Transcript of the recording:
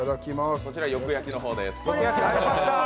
こちらよく焼きの方です。